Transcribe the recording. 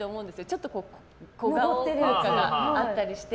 ちょっと小顔効果があったりして。